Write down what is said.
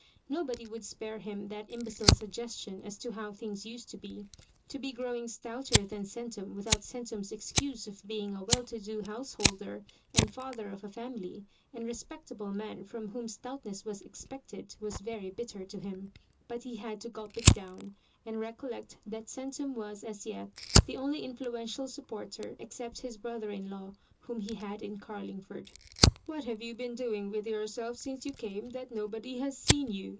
Nobody would spare him that imbecile suggestion as to how things used to be. To be growing stouter than Centum without Centum's excuse of being a well to do householder and father of a family, and respectable man from whom stoutness was expected, was very bitter to him ; but he had to gulp it down, and recollect that Centum was as yet the only influential supporter, except his brother in law, whom he had in Carlingford. " "What have you been doing with yourself since you came that nobody has seen you